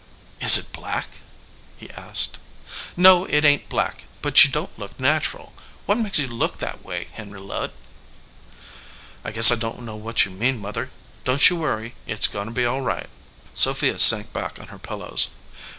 "Is it black ?" he asked. "No, it ain t black ; but you don t look natural. What makes you look that way, Henry Ludd? * "I guess I don t know what you mean, Mother. Don t you worry. It is going to be all right." Sophia sank back on her pillows.